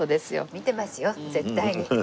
見てますよ絶対に。